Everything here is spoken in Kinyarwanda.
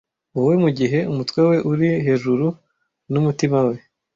Wowe, mugihe umutwe we uri hejuru, numutima we